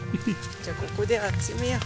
じゃあここで集めよう。